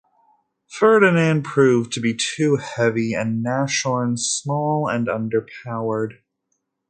"Ferdinand" proved to be too heavy and "Nashorn" small and underpowered.